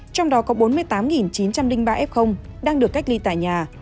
trong đó có bốn mươi tám chín trăm linh ba f đang được cách ly tại nhà